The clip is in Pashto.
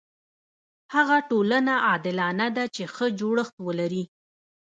هغه ټولنه عادلانه ده چې ښه جوړښت ولري.